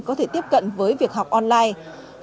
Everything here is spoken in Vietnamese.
có thể tiếp cận với việc học online